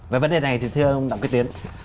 về vấn đề này thì thưa ông đặng quyết tiến